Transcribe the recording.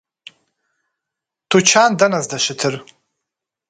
Тучан дэнэ здэщытыр?